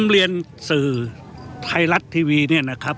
เรียนสื่อไทยรัฐทีวีเนี่ยนะครับ